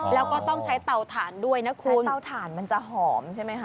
แล้วก็ต้องใช้เตาถ่านด้วยนะคุณเตาถ่านมันจะหอมใช่ไหมคะ